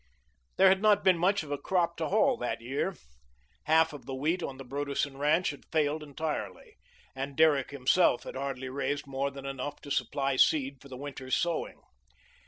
There had not been much of a crop to haul that year. Half of the wheat on the Broderson ranch had failed entirely, and Derrick himself had hardly raised more than enough to supply seed for the winter's sowing.